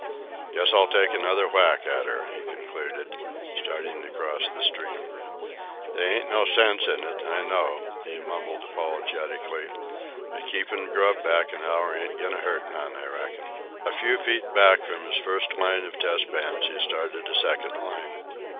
"Guess I'll take another whack at her," he concluded, starting to cross the stream. "They ain't no sense in it, I know," he mumbled apologetically. "But keepin' grub back an hour ain't go in' to hurt none, I reckon." A few feet back from his first line of test pans he started a second line.